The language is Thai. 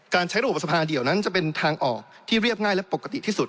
ใช้ระบบสภาเดียวนั้นจะเป็นทางออกที่เรียบง่ายและปกติที่สุด